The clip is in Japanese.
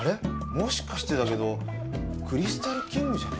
もしかしてだけどクリスタルキングじゃね？